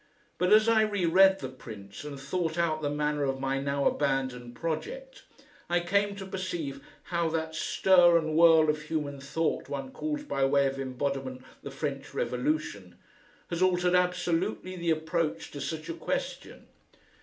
But as I re read "The Prince" and thought out the manner of my now abandoned project, I came to perceive how that stir and whirl of human thought one calls by way of embodiment the French Revolution, has altered absolutely the approach to such a question.